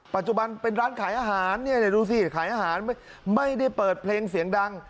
ปัจจุบันเป็นร้านขายอาหารเนี่ยดูสิขายอาหารไม่ได้เปิดเพลงเสียงดัง